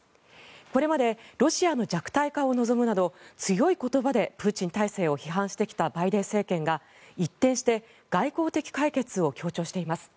これまでロシアの弱体化を望むなど、強い言葉でプーチン体制を批判してきたバイデン政権が一転して外交的解決を強調しています。